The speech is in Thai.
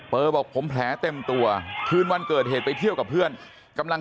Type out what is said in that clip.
บอกผมแผลเต็มตัวคืนวันเกิดเหตุไปเที่ยวกับเพื่อนกำลัง